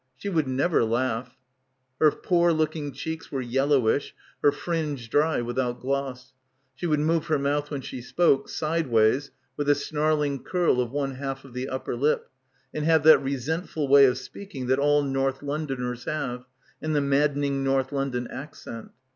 She would never laugh. Her poor looking cheeks were yellowish, her fringe dry, without gloss. She would move her mouth when she spoke, sideways with a snarling curl of one half of the upper lip and have that resentful way of speaking that all North Londoners have, and the maddening North London accent.